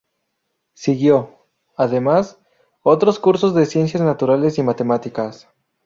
Siguió, además, otros cursos de ciencias naturales y matemáticas.